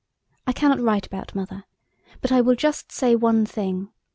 I cannot write about Mother–but I will just say one thing.